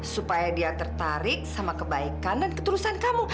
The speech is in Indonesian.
supaya dia tertarik sama kebaikan dan ketulusan kamu